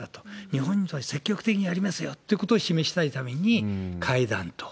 日本に対しては積極的にやりますよってことを示したいために、会談と。